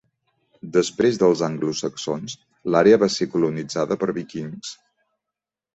Després dels anglosaxons l'àrea va ser colonitzada per vikings.